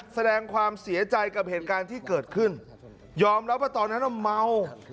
แสดงความเสียใจกับเหตุการณ์ที่เกิดขึ้นยอมรับว่าตอนนั้นเมา